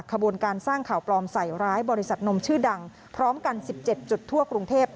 ขบวนการสร้างข่าวปลอมใส่ร้ายบริษัทนมชื่อดังพร้อมกัน๑๗จุดทั่วกรุงเทพ